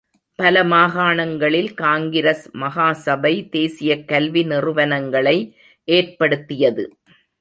பல மாகாணங்களில் காங்கிரஸ் மகா சபை தேசியக் கல்வி நிறுவனங்களை ஏற்படுத்தியது.